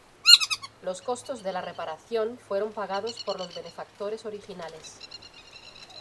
Los costos de la reparación fueron pagados por los benefactores originales.